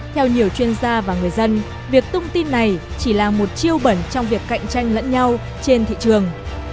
theo nhiều chuyên gia và người dân việc tung tin này chỉ là một chiêu bẩn trong việc cạnh tranh lẫn nhau trên thị trường